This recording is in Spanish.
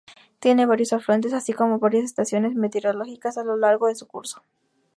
Tiene varios afluentes, así como varias estaciones meteorológicas a lo largo de su curso.